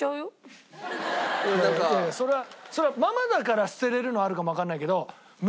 いやいやそれはそれはママだから捨てられるのあるかもわかんないけど。